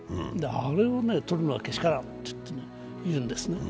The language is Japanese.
あれを取るのはけしからんと言うんですね。